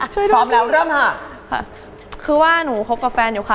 ช่วยดูดิเจสองค่ะคือว่าหนูคบกับแฟนอยู่ค่ะ